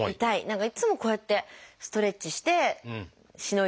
何かいつもこうやってストレッチしてしのいでます。